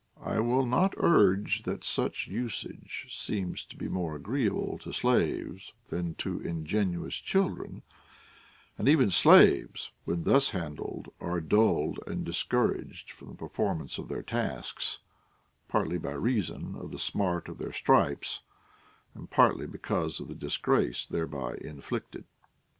I will not urge that such usage seems to be more agreeable to slaves than to ingenu ous children ; and even slaves, when thus handled, are dulled and discouraged from the performance of their tasks, partly by reason of the smart of their stripes, and partly because of the disgrace thereby inflicted.